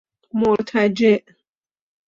مرتجع